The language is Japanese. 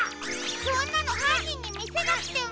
そんなのはんにんにみせなくても！